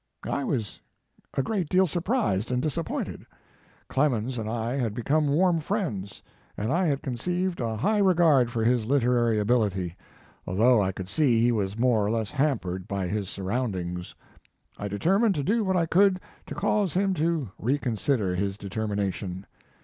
I was a great deal surprised and dis appointed. Clemens and I had become warm friends, and I had conceived a high regard for his literary ability, although I could see he was more or less hampered by his surroundings. I determined to do what I could to cause him to recon sider his determination.